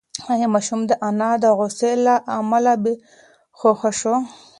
ایا ماشوم د انا د غوسې له امله بېهوښه شو؟